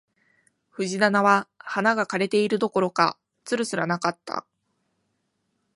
藤棚は花が枯れているどころか、蔓すらなかった